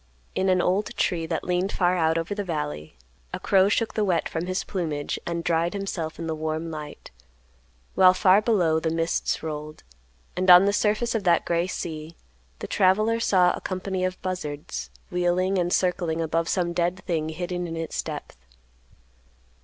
In an old tree that leaned far out over the valley, a crow shook the wet from his plumage and dried himself in the warm light; while far below the mists rolled, and on the surface of that gray sea, the traveler saw a company of buzzards, wheeling and circling above some dead thing hidden in its depth.